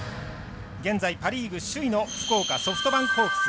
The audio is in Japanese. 現在パ・リーグ首位の福岡ソフトバンクホークス。